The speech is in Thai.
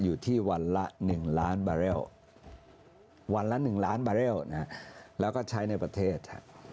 อยู่ที่วันละ๑ล้านบาเรลวันละ๑ล้านบาเรลแล้วก็ใช้ในประเทศ